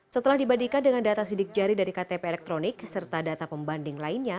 setelah dibandingkan dengan data sidik jari dari ktp elektronik serta data pembanding lainnya